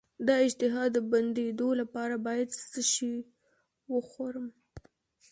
د اشتها د بندیدو لپاره باید څه شی وخورم؟